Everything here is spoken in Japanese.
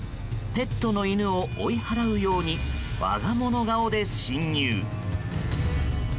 ペットの犬を追い払うように我が物顔で侵入。